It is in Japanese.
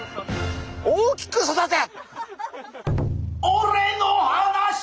大きく育て！